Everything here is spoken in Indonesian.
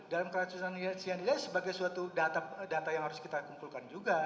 dalam keracunan cyanida sebagai suatu data yang harus kita kumpulkan juga